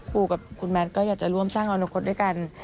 กับคุณแมทก็อยากจะร่วมสร้างอนาคตด้วยกัน